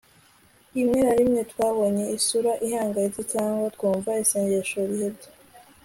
rimwe na rimwe twabonye isura ihangayitse cyangwa twumva isengesho ryihebye